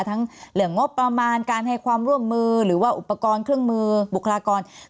ทั้งเรื่องงบประมาณการให้ความร่วมมือหรือว่าอุปกรณ์เครื่องมือบุคลากร